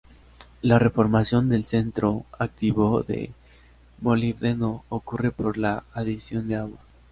La reformación del centro activo de molibdeno ocurre por la adición de agua.